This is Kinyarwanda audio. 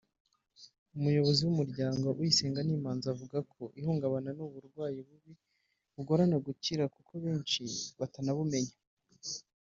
umuyobozi w’umuryango “Uyisenga ni Imanzi” avuga ko ihungabana ari uburwayi bubi bugorana gukira kuko benshi batanabumenya